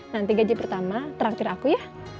nanti gaji pertama terakhir aku ya